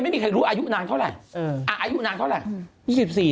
ไม่มีใครรู้อายุนางเท่าไหร่อายุนางเท่าไหร่